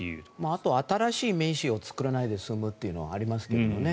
あとは新しい名刺を作らないで済むというのはありますけどもね。